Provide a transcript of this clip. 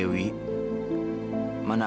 aku mau pergi ke rumah sakit